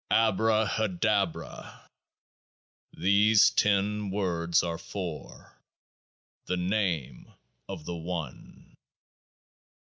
ABRAHADABRA. These ten words are four, the Name of the One.